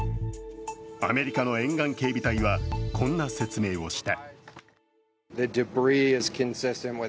アメリカの沿岸警備隊はこんな説明をした。